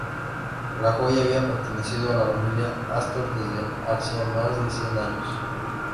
La joya había pertenecido a la familia Astor desde hacia más de cien años.